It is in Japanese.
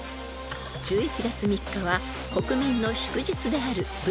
［１１月３日は国民の祝日である］